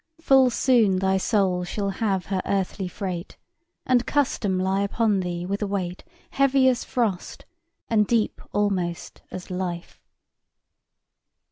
Full soon thy soul shall have her earthly freight, And custom lie upon thee with a weight Heavy as frost, and deep almost as life."